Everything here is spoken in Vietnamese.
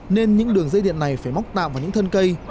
nên những đường dây điện này phải móc tạm vào những thân cây